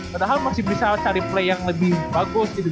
padahal masih bisa cari play yang lebih bagus gitu